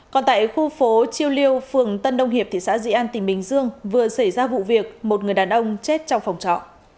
còn tại khu phố chiêu liêu phường tân đông hiệp thị xã di an tỉnh bình dương vừa xảy ra vụ việc một người đàn ông chết trong phòng trọ